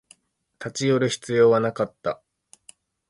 立ち寄る必要はなかった